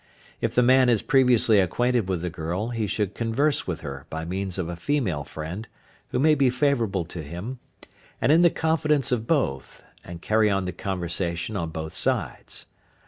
If the man is previously acquainted with the girl he should converse with her by means of a female friend, who may be favourable to him, and in the confidence of both, and carry on the conversation on both sides.